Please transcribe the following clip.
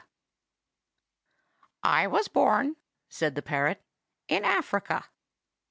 "I was born," said the parrot, "in Africa."